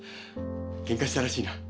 ケンカしたらしいな。